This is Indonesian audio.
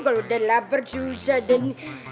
kalau udah lapar susah dan